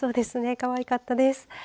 かわいかったです。